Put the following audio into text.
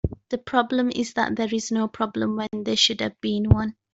The problem is that there is no problem when there should have been one.